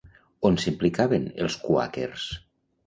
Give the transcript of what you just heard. On s'implicaven els quàquers?